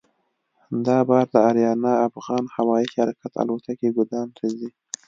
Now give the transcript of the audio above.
دا بار د اریانا افغان هوایي شرکت الوتکې ګودام ته ځي.